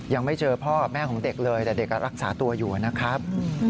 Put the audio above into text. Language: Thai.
ยังไม่เจอพ่อแม่ของเด็กเลยแต่เด็กรักษาตัวอยู่นะครับ